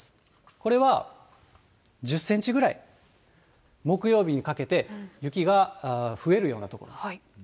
これは１０センチくらい、木曜日にかけて、雪が増えるような所。